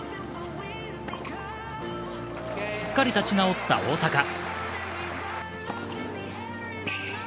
すっかり立ち直った大坂。